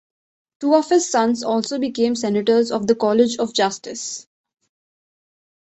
Two of his sons also became Senators of the College of Justice.